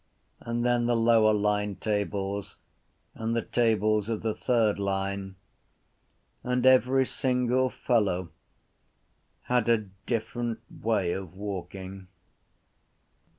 And then the lower line tables and the tables of the third line. And every single fellow had a different way of walking.